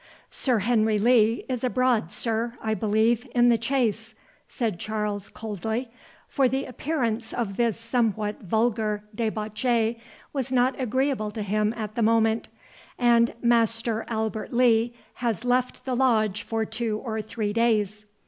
"Sir Henry Lee is abroad, sir, I believe, in the Chase," said Charles, coldly, for the appearance of this somewhat vulgar debauchee was not agreeable to him at the moment, "and Master Albert Lee has left the Lodge for two or three days."